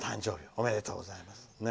おめでとうございます。